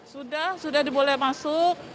sudah sudah diboleh masuk